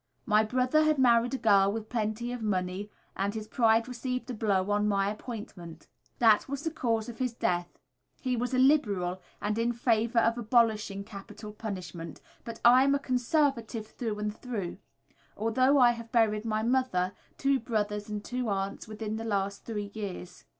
My brother had married a girl with plenty of money, and his pride received a blow on my appointment. That was the cause of his death. He was a Liberal and in favour of abolishing capital punishment, but I am a Conservative through and through. Altogether I have buried my mother, two brothers, and two aunts within the last three years."